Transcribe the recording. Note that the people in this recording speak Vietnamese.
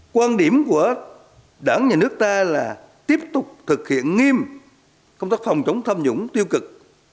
quan điểm của đảng nhà nước ta là tiếp tục thực hiện nghiêm công tác phòng chống tham nhũng tiêu cực